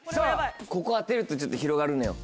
ここ当てるとちょっと広がるのよ。